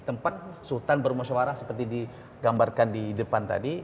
tempat sultan bermusyawarah seperti digambarkan di depan tadi